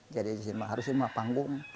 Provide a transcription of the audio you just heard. jadi harus panggung